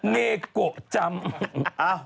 เนโกะจำ